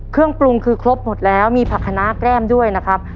เครื่องปรุงคือครบหมดแล้วมีผักคณะแก้มด้วยนะครับ